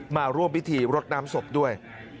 มาร่วมพิธีรดน้ำศพด้วย